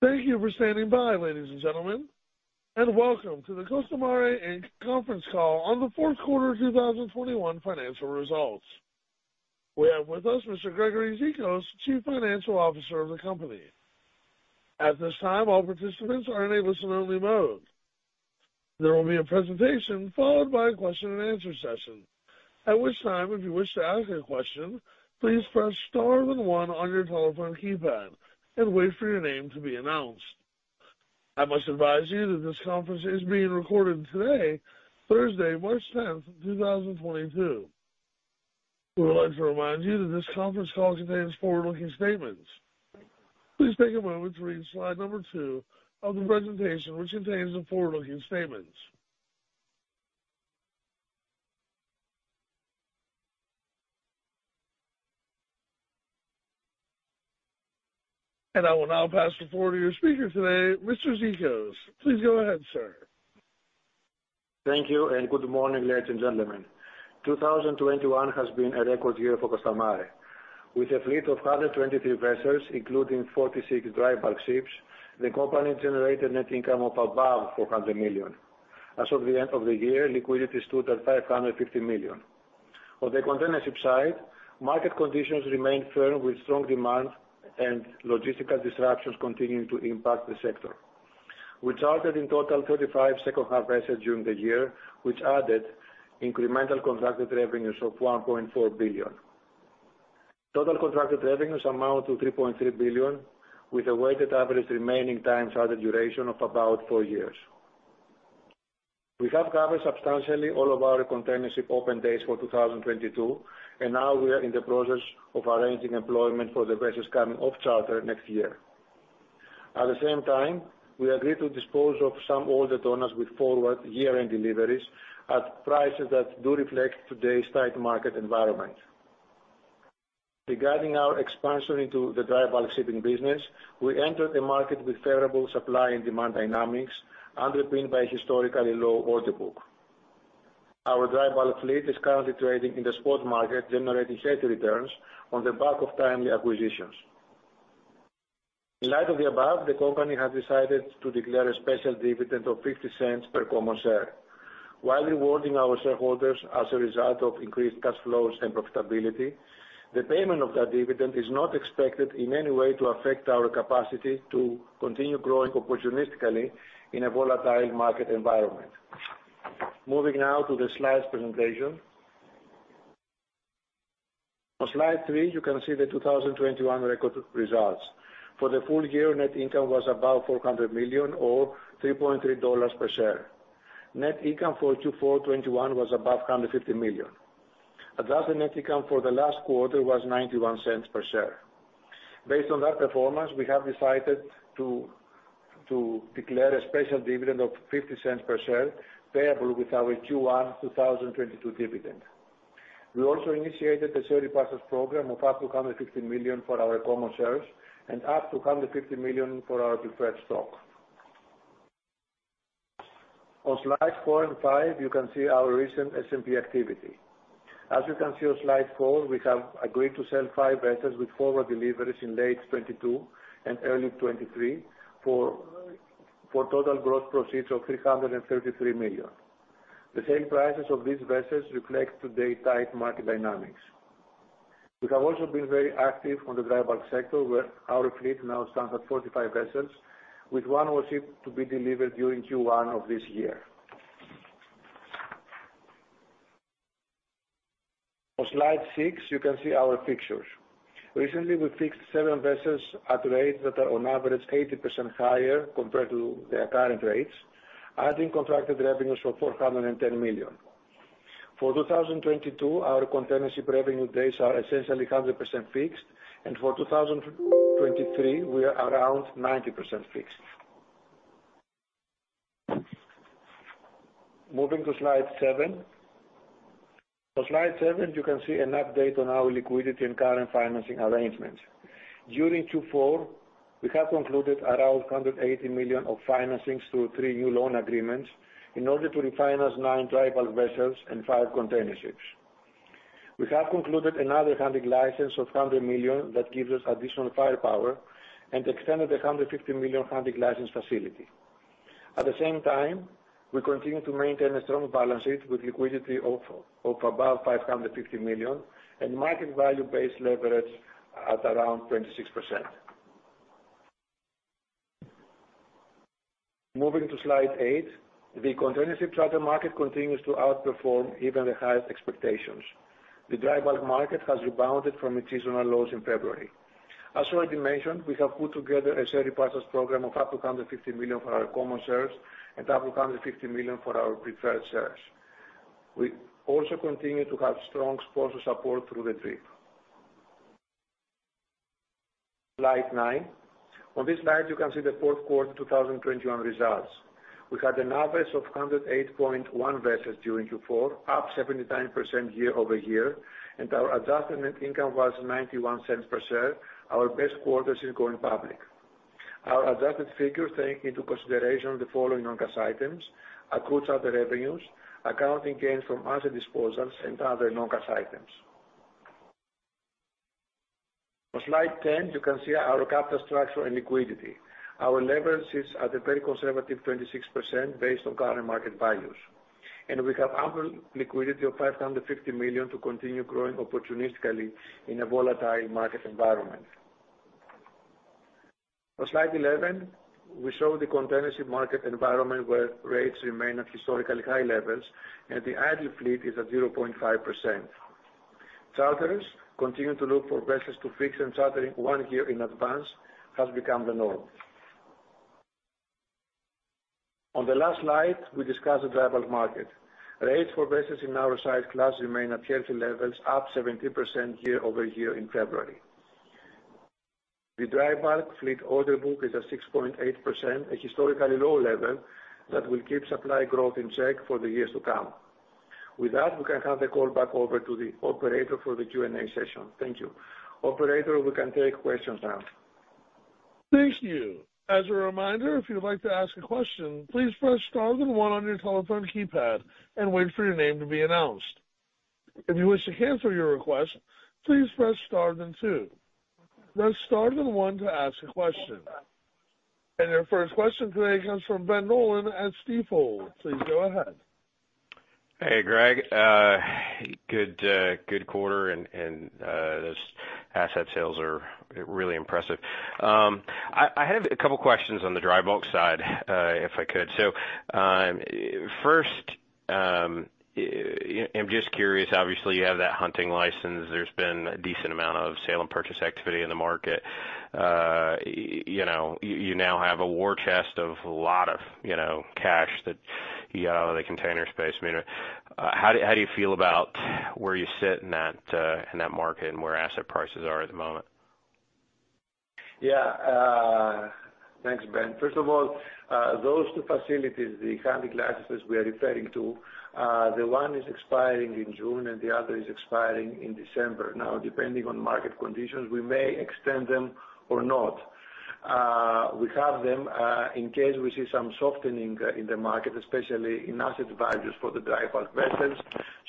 Thank you for standing by, ladies and gentlemen, and welcome to the Costamare Inc. conference call on the Q4 2021 financial results. We have with us Mr. Gregory Zikos, Chief Financial Officer of the company. At this time, all participants are in a listen-only mode. There will be a presentation followed by a question-and-answer session. At which time, if you wish to ask a question, please press star then one on your telephone keypad and wait for your name to be announced. I must advise you that this conference is being recorded today, Thursday, March 10, 2022. We would like to remind you that this conference call contains forward-looking statements. Please take a moment to read slide number two of the presentation, which contains the forward-looking statements. I will now pass the floor to your speaker today, Mr. Zikos. Please go ahead, sir. Thank you, and good morning, ladies and gentlemen. 2021 has been a record year for Costamare. With a fleet of 123 vessels, including 46 dry bulk ships, the company generated net income of above $400 million. As of the end of the year, liquidity stood at $550 million. On the container ship side, market conditions remained firm with strong demand and logistical disruptions continuing to impact the sector. We chartered in total 35 secondhand vessels during the year, which added incremental contracted revenues of $1.4 billion. Total contracted revenues amount to $3.3 billion, with a weighted average remaining time charter duration of about four years. We have covered substantially all of our container ship open days for 2022, and now we are in the process of arranging employment for the vessels coming off charter next year. At the same time, we agreed to dispose of some older tonnages with forward year-end deliveries at prices that do reflect today's tight market environment. Regarding our expansion into the dry bulk shipping business, we entered the market with favorable supply and demand dynamics underpinned by historically low order book. Our dry bulk fleet is currently trading in the spot market, generating steady returns on the back of timely acquisitions. In light of the above, the company has decided to declare a special dividend of $0.50 per common share while rewarding our shareholders as a result of increased cash flows and profitability. The payment of that dividend is not expected in any way to affect our capacity to continue growing opportunistically in a volatile market environment. Moving now to the slides presentation. On slide three, you can see the 2021 recorded results. For the full year, net income was about $400 million or $3.3 per share. Net income for Q4 2021 was above $150 million. Adjusted net income for the last quarter was $0.91 per share. Based on that performance, we have decided to declare a special dividend of $0.50 per share payable with our Q1 2022 dividend. We also initiated a share repurchase program of up to $150 million for our common shares and up to $150 million for our preferred stock. On slides four and five, you can see our recent S&P activity. As you can see on slide four, we have agreed to sell five vessels with forward deliveries in late 2022 and early 2023 for total gross proceeds of $333 million. The sale prices of these vessels reflect today's tight market dynamics. We have also been very active on the dry bulk sector, where our fleet now stands at 45 vessels, with one more ship to be delivered during Q1 of this year. On slide six, you can see our fixtures. Recently, we fixed seven vessels at rates that are on average 80% higher compared to their current rates, adding contracted revenues of $410 million. For 2022, our container ship revenue days are essentially 100% fixed, and for 2023, we are around 90% fixed. Moving to slide seven. On slide seven, you can see an update on our liquidity and current financing arrangements. During Q4, we have concluded around $180 million of financings through three new loan agreements in order to refinance nine dry bulk vessels and five container ships. We have concluded another hunting license of $100 million that gives us additional firepower and extended a $150 million hunting license facility. At the same time, we continue to maintain a strong balance sheet with liquidity of above $550 million and market value based leverage at around 26%. Moving to slide eight. The container ship charter market continues to outperform even the highest expectations. The dry bulk market has rebounded from its seasonal lows in February. As already mentioned, we have put together a share repurchase program of up to $150 million for our common shares and up to $150 million for our preferred shares. We also continue to have strong sponsor support through the Konstantakopoulos family. Slide nine. On this slide, you can see the fourth quarter 2021 results. We had an average of 108.1 vessels during Q4, up 79% year-over-year, and our adjusted net income was $0.91 per share, our best quarters since going public. Our adjusted figures take into consideration the following non-cash items: accrued charter revenues, accounting gains from asset disposals, and other non-cash items. On slide 10, you can see our capital structure and liquidity. Our leverage sits at a very conservative 26% based on current market values, and we have ample liquidity of $550 million to continue growing opportunistically in a volatile market environment. On slide 11, we show the contingency market environment where rates remain at historically high levels and the idle fleet is at 0.5%. Charters continue to look for vessels to fix and chartering one year in advance has become the norm. On the last slide, we discuss the dry bulk market. Rates for vessels in our size class remain at healthy levels, up 17% year-over-year in February. The dry bulk fleet order book is at 6.8%, a historically low level that will keep supply growth in check for the years to come. With that, we can hand the call back over to the operator for the Q&A session. Thank you. Operator, we can take questions now. Thank you. As a reminder, if you'd like to ask a question, please press star then one on your telephone keypad and wait for your name to be announced. If you wish to cancel your request, please press star then two. Press star then one to ask a question. Your first question today comes from Ben Nolan at Stifel. Please go ahead. Hey, Greg. Good quarter and those asset sales are really impressive. I have a couple questions on the dry bulk side, if I could. First, I'm just curious, obviously you have that hunting license. There's been a decent amount of sale and purchase activity in the market. You know, you now have a war chest of a lot of you know cash that you know the container space made. How do you feel about where you sit in that market and where asset prices are at the moment? Thanks, Ben. First of all, those two facilities, the hunting licenses we are referring to, the one is expiring in June and the other is expiring in December. Now, depending on market conditions, we may extend them or not. We have them in case we see some softening in the market, especially in asset values for the dry bulk vessels,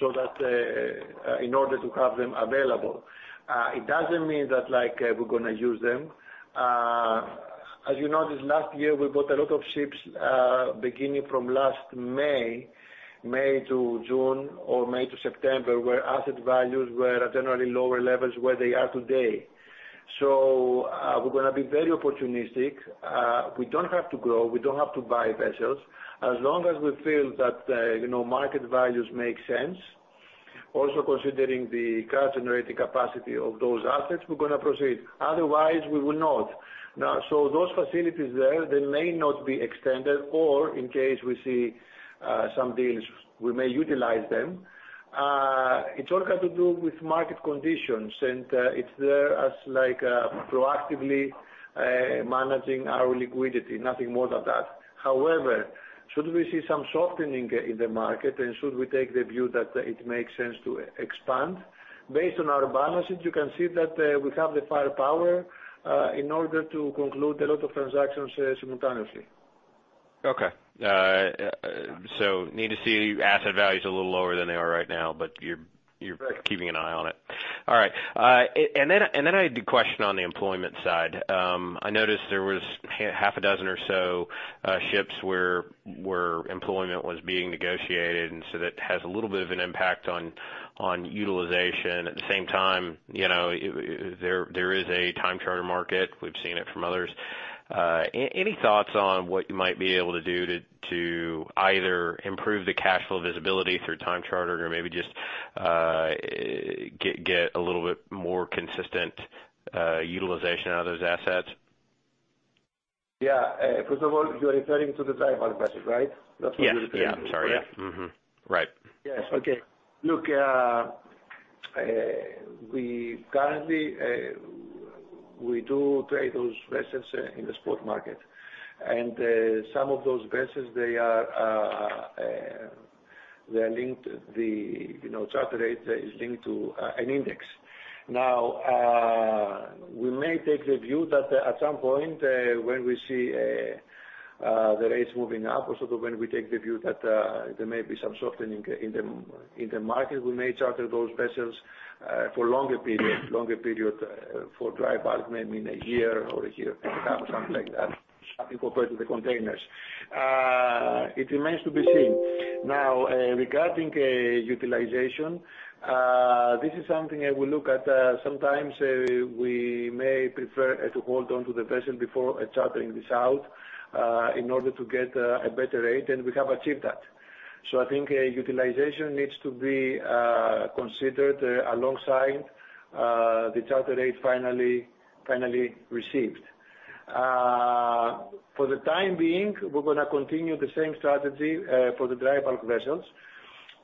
so that in order to have them available. It doesn't mean that, like, we're gonna use them. As you noticed, last year, we bought a lot of ships, beginning from last May to June or May to September, where asset values were at generally lower levels where they are today. We're gonna be very opportunistic. We don't have to grow, we don't have to buy vessels. As long as we feel that, you know, market values make sense, also considering the cash generating capacity of those assets, we're gonna proceed. Otherwise, we will not. Now, those facilities there, they may not be extended or, in case we see some deals, we may utilize them. It all has to do with market conditions, and it's there as like, proactively managing our liquidity, nothing more than that. However, should we see some softening in the market and should we take the view that it makes sense to expand based on our balances, you can see that we have the firepower in order to conclude a lot of transactions simultaneously. Okay. Need to see asset values a little lower than they are right now, but you're keeping an eye on it. All right. I had the question on the employment side. I noticed there was half a dozen or so ships where employment was being negotiated, and so that has a little bit of an impact on utilization. At the same time, you know, there is a time charter market. We've seen it from others. Any thoughts on what you might be able to do to either improve the cash flow visibility through time charter or maybe just get a little bit more consistent utilization out of those assets? Yeah. First of all, you're referring to the dry bulk budget, right? Yes. Yeah. Sorry. Mm-hmm. Right. Yes. Okay. Look, we currently we do trade those vessels in the spot market. Some of those vessels, they are linked, you know, the charter rate is linked to an index. Now, we may take the view that at some point, the rates moving up, or sort of when we take the view that, there may be some softening in the market, we may charter those vessels for longer period for dry bulk, maybe in a year or a year and a half, something like that, compared to the containers. It remains to be seen. Now, regarding utilization, this is something I will look at. Sometimes we may prefer to hold onto the vessel before chartering it out in order to get a better rate, and we have achieved that. I think utilization needs to be considered alongside the charter rate finally received. For the time being, we're gonna continue the same strategy for the dry bulk vessels.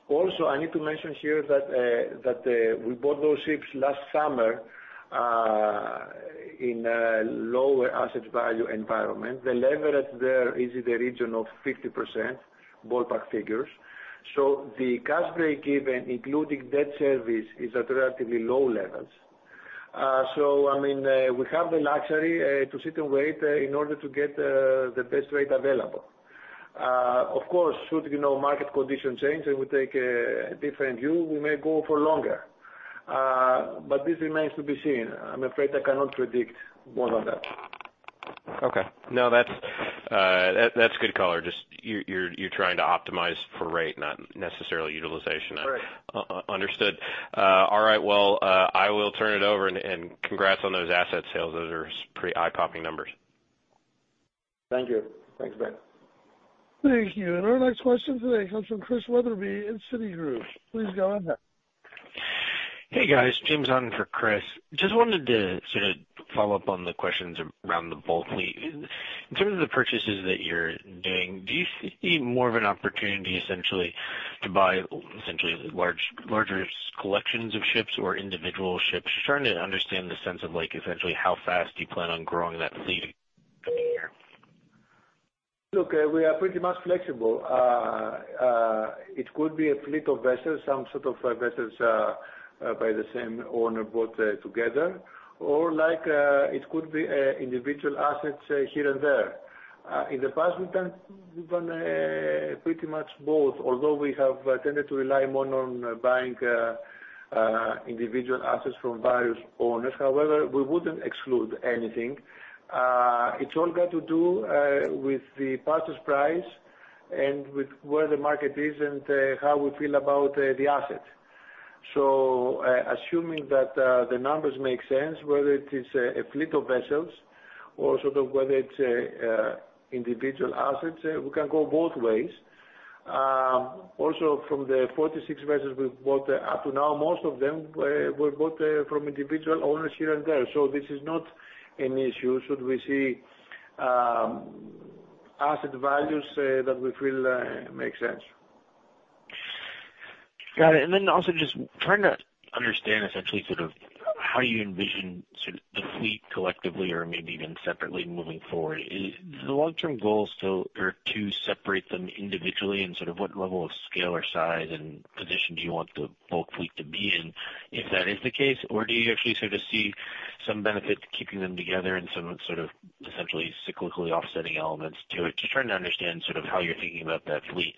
Also, I need to mention here that we bought those ships last summer in a lower asset value environment. The leverage there is in the region of 50%, ballpark figures. The cash break even including debt service is at relatively low levels. I mean, we have the luxury to sit and wait in order to get the best rate available. Of course, should you know, market conditions change and we take a different view, we may go for longer. This remains to be seen. I'm afraid I cannot predict more than that. Okay. No, that's good color. Just you're trying to optimize for rate, not necessarily utilization. Correct. Understood. All right, well, I will turn it over, and congrats on those asset sales. Those are pretty eye-popping numbers. Thank you. Thanks, Ben. Thank you. Our next question today comes from Chris Wetherbee in Citigroup. Please go ahead. Hey, guys. James on for Chris. Just wanted to sort of follow up on the questions around the bulk fleet. In terms of the purchases that you're doing, do you see more of an opportunity essentially to buy essentially larger collections of ships or individual ships? Trying to understand the sense of like, essentially how fast you plan on growing that fleet in the year. Look, we are pretty much flexible. It could be a fleet of vessels, some sort of vessels by the same owner bought together, or like, it could be individual assets here and there. In the past we've done pretty much both, although we have tended to rely more on buying individual assets from various owners. However, we wouldn't exclude anything. It's all got to do with the purchase price and with where the market is and how we feel about the asset. Assuming that the numbers make sense, whether it is a fleet of vessels or sort of whether it's individual assets, we can go both ways. Also from the 46 vessels we've bought up to now, most of them were bought from individual owners here and there. This is not an issue, should we see asset values that we feel make sense. Got it. Then also just trying to understand essentially sort of how you envision the fleet collectively or maybe even separately moving forward. Is the long-term goal still or to separate them individually and sort of what level of scale or size and position do you want the bulk fleet to be in, if that is the case? Or do you actually sort of see some benefit to keeping them together and some sort of essentially cyclically offsetting elements to it? Just trying to understand sort of how you're thinking about that fleet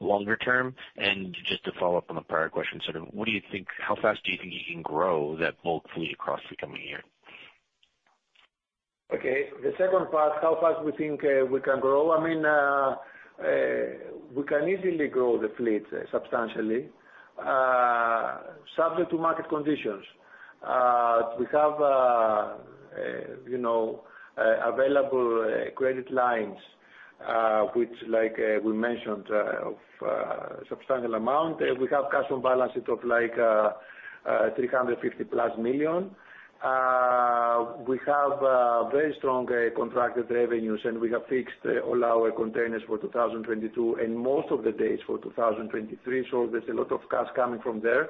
longer-term. Just to follow up on the prior question, sort of what do you think, how fast do you think you can grow that bulk fleet across the coming year? Okay. The second part, how fast we think we can grow. I mean, we can easily grow the fleet substantially, subject to market conditions. We have you know, available credit lines, which like we mentioned, of substantial amount. We have cash on balance sheet of like $350+ million. We have very strong contracted revenues, and we have fixed all our containers for 2022 and most of the days for 2023. There's a lot of cash coming from there.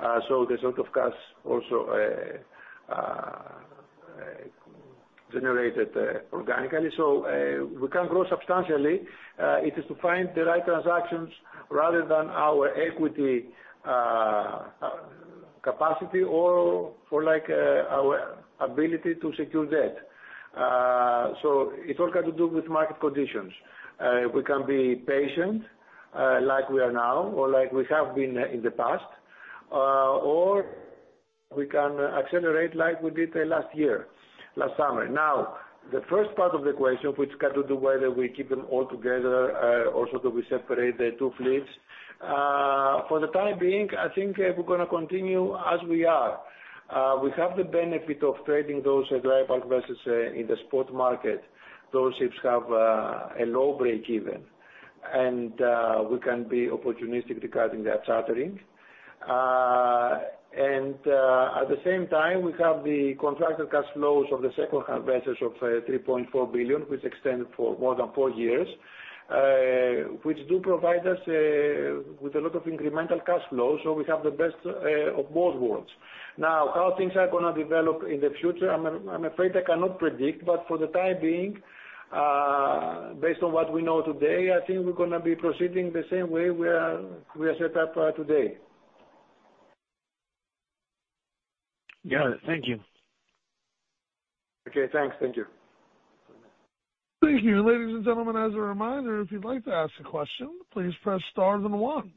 There's a lot of cash also generated organically. We can grow substantially. It is to find the right transactions rather than our equity capacity or for like our ability to secure debt. It's all got to do with market conditions. We can be patient, like we are now or like we have been in the past, or we can accelerate like we did last year, last summer. Now, the first part of the question, which has to do with whether we keep them all together, or should we separate the two fleets. For the time being, I think we're gonna continue as we are. We have the benefit of trading those dry bulk vessels in the spot market. Those ships have a low breakeven, and we can be opportunistic regarding their chartering. At the same time, we have the contracted cash flows of the secondhand vessels of $3.4 billion, which extend for more than four years, which do provide us with a lot of incremental cash flows. We have the best of both worlds. Now, how things are gonna develop in the future, I'm afraid I cannot predict. For the time being, based on what we know today, I think we're gonna be proceeding the same way we are set up today. Got it. Thank you. Okay, thanks. Thank you. Thank you. Ladies and gentlemen, as a reminder, if you'd like to ask a question, please press star then one.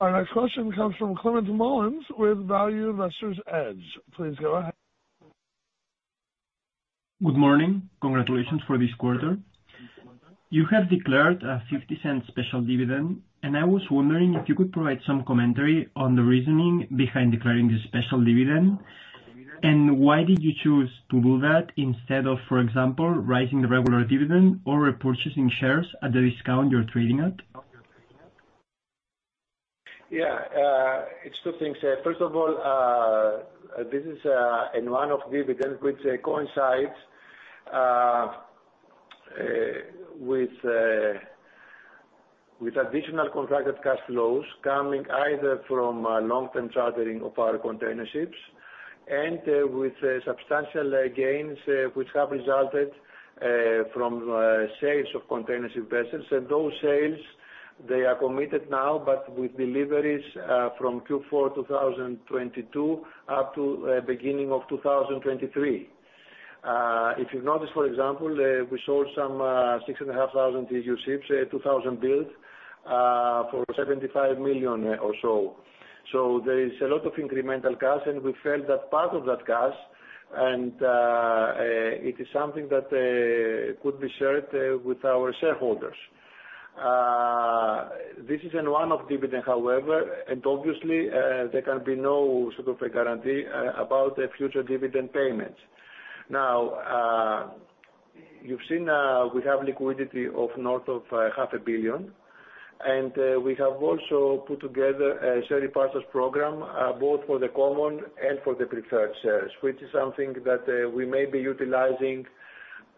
Our next question comes from Climent Molins with Value Investor's Edge. Please go ahead. Good morning. Congratulations for this quarter. You have declared a $0.50 special dividend, and I was wondering if you could provide some commentary on the reasoning behind declaring the special dividend, and why did you choose to do that instead of, for example, raising the regular dividend or repurchasing shares at the discount you're trading at? Yeah. It's two things. First of all, this is a one-off dividend which coincides with additional contracted cash flows coming either from long-term chartering of our container ships and with substantial gains which have resulted from sales of container ship vessels. Those sales, they are committed now, but with deliveries from Q4 2022 up to beginning of 2023. If you've noticed, for example, we sold some 6,500 TEU ships, 2000 built, for $75 million or so. There is a lot of incremental cash, and we felt that part of that cash and it is something that could be shared with our shareholders. This is one of the dividends, however, obviously, there can be no sort of a guarantee about the future dividend payments. Now, you've seen, we have liquidity of north of $500 million, and we have also put together a share repurchase program, both for the common and for the preferred shares, which is something that we may be utilizing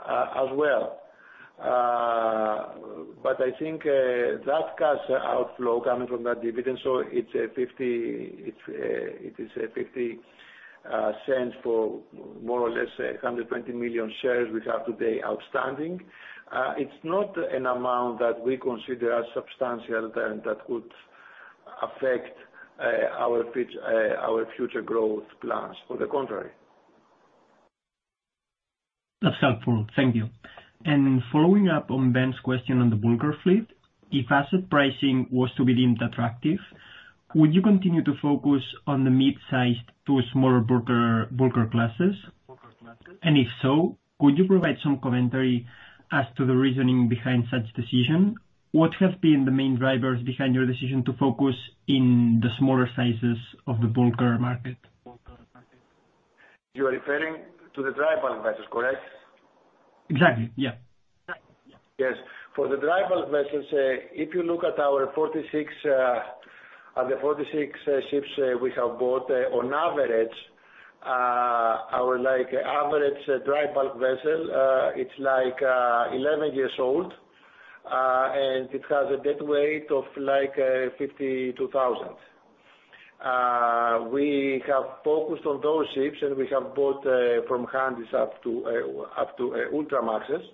as well. I think that cash outflow coming from that dividend, so it is $0.50 for more or less 120 million shares we have today outstanding. It's not an amount that we consider as substantial that could affect our future growth plans. On the contrary. That's helpful. Thank you. Following up on Ben's question on the bulker fleet, if asset pricing was to be deemed attractive, would you continue to focus on the mid-sized to smaller bulker classes? And if so, could you provide some commentary as to the reasoning behind such decision? What have been the main drivers behind your decision to focus in the smaller sizes of the bulker market? You are referring to the dry bulk vessels, correct? Exactly, yeah. Yes. For the dry bulk vessels, if you look at our 46 ships, on average, our like average dry bulk vessel, it's like 11 years old, and it has a deadweight of like 52,000. We have focused on those ships, and we have bought from Handys up to Ultramaxes.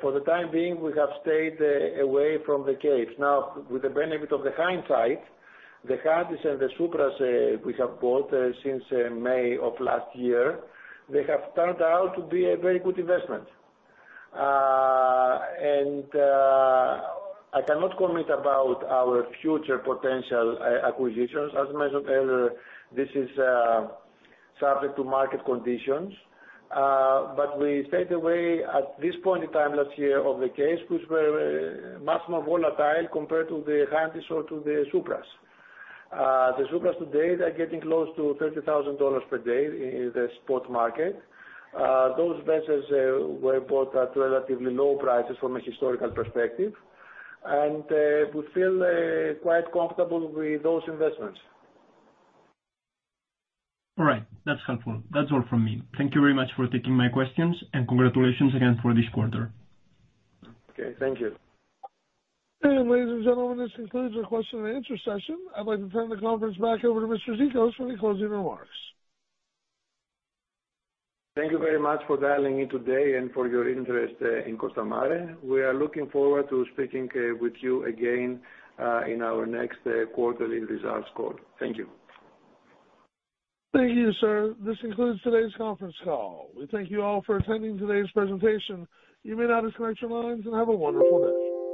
For the time being, we have stayed away from the Capes. Now, with the benefit of the hindsight, the Handys and the Supras we have bought since May of last year, they have turned out to be a very good investment. I cannot commit about our future potential acquisitions. As mentioned earlier, this is subject to market conditions, but we stayed away at this point in time last year of the Capes, which were much more volatile compared to the Handys or to the Supras. The Supras today, they are getting close to $30,000 per day in the spot market. Those vessels were bought at relatively low prices from a historical perspective. We feel quite comfortable with those investments. All right. That's helpful. That's all from me. Thank you very much for taking my questions, and congratulations again for this quarter. Okay, thank you. Ladies and gentlemen, this concludes our question and answer session. I'd like to turn the conference back over to Mr. Zikos for any closing remarks. Thank you very much for dialing in today and for your interest in Costamare. We are looking forward to speaking with you again in our next quarterly results call. Thank you. Thank you, sir. This concludes today's conference call. We thank you all for attending today's presentation. You may now disconnect your lines and have a wonderful day.